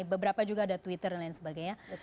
beberapa juga ada twitter dan lain sebagainya